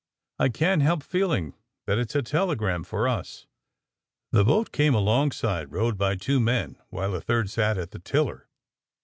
''I can^t help feeling that it's a telegram for us.'' The boat came alongside, rowed by two men, while a third sat at the tiller.